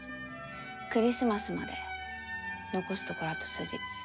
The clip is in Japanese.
クリスマスまで残すところあと数日。